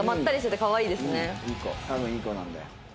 多分いい子なんだよ。